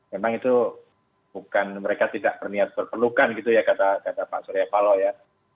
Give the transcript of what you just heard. memang itu bukan mereka tidak berniat berperlukan gitu ya kata pak suryapaloh ya